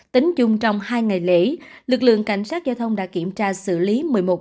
tính chung trong hai ngày lễ lực lượng cảnh sát giao thông đã kiểm tra xử lý